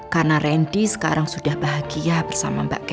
karena randy sekarang sudah bahagia bersama mbak catherine